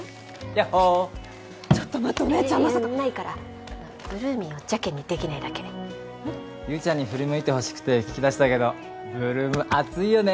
ヤッホちょっと待ってお姉ちゃんまさかいやいやないから８ＬＯＯＭＹを邪険にできないだけゆーちゃんに振り向いてほしくて聴きだしたけど８ＬＯＯＭ熱いよね